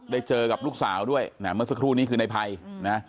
ได้เจอกับลูกสาวด้วยเมื่อสักครู่นี้คือนายไพนะ